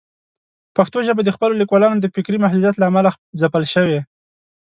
پښتو ژبه د خپلو لیکوالانو د فکري محدودیت له امله ځپل شوې.